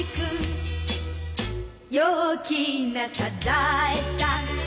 「陽気なサザエさん」